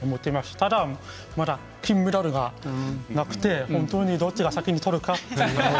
ただ、まだ金メダルがなくて本当にどっちが先にとるかと。